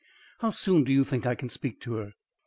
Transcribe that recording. How soon do you think I can speak to her?"